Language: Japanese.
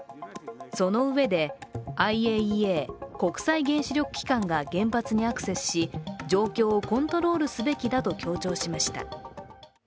そのうえでＩＡＥＡ＝国際原子力機関が原発にアクセスし状況をコントロールすべきだと強調しました。